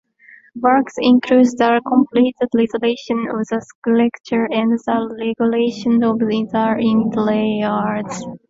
Works included the complete restoration of the structure and the redecoration of the interiors.